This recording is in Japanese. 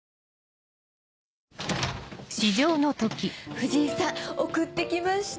藤井さん送って来ました。